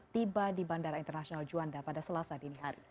tiba di bandara internasional juanda pada selasa dinihan